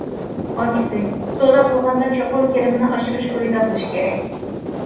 ئاكىسى: سودا قىلغاندا چوقۇم كىرىمنى ئاشۇرۇش كويىدا بولۇش كېرەك.